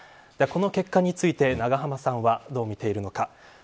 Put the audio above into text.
この結果について永濱さんはどう見ているのか。